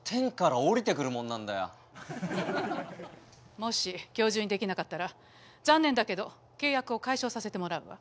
もし今日中に出来なかったら残念だけど契約を解消させてもらうわ。